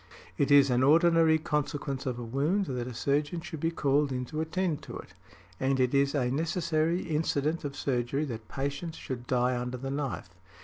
It is an ordinary consequence of a wound that a surgeon should be called in to attend to it, |91| and it is a necessary incident of surgery that patients should die under the knife.